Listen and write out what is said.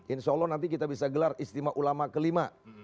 insya allah nanti kita bisa gelar ijtima ulama kelima